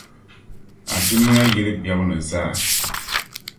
a dunia yili bebu ni zaa.